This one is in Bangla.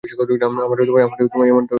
আমারও এমটাই অনুভূত হচ্ছে।